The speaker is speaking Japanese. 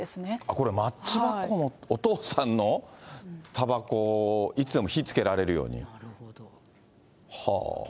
これマッチ箱、お父さんのたばこ、いつでも火つけられるように。